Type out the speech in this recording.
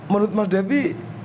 menurut mas devi